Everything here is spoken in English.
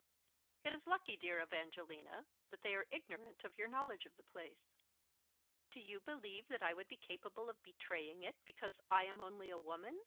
"It is lucky, dear Evangelina, that they are ignorant of your knowledge of the place." "Do you believe that I would be capable of betraying it, because I am only a woman?